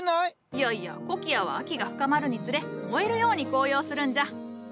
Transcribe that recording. いやいやコキアは秋が深まるにつれ燃えるように紅葉するんじゃ。